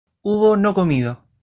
hubo no comido